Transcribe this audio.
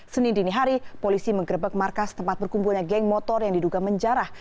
senin dini hari polisi menggerebek markas tempat berkumpulnya geng motor yang diduga menjarah